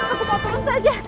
aku mau turun saja